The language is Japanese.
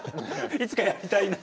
いつかやりたいと？